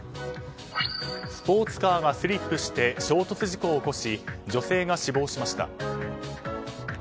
スポーツカーがスリップして衝突事故を起こし女性が死亡しました。